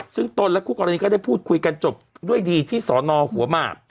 ซึ่งตนและคู่กรณีก็ได้พูดคุยกันจบด้วยดีที่สอนอหัวหมาก